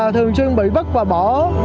thường xuyên bị vứt và bỏ